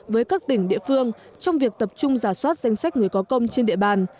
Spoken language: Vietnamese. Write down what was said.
với các tỉnh địa phương trong việc tập trung giả soát danh sách người có công trên địa bàn